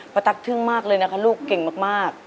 ตั๊กทึ่งมากเลยนะคะลูกเก่งมาก